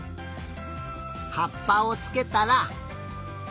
はっぱをつけたら。